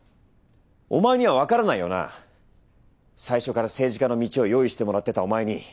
お前にはわからないよな最初から政治家の道を用意してもらってたお前に。